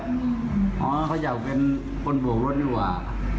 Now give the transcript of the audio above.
อ๋อเขาอยากเป็นคนโบกรถดีกว่า